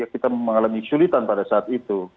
kita mengalami kesulitan pada saat itu